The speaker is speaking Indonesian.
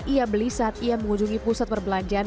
ia beli saat ia mengunjungi pusat perbelanjaan